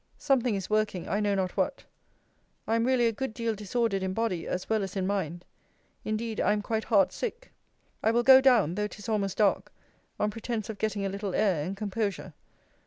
Something is working, I know not what. I am really a good deal disordered in body as well as in mind. Indeed I am quite heart sick. I will go down, though 'tis almost dark, on pretence of getting a little air and composure.